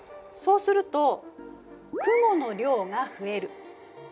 そうすると雲の量が増える。